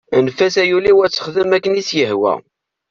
Anef-as ay ul-iw ad texdem akken i s-yehwa.